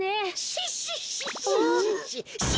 シッシッシッシッシッシッ！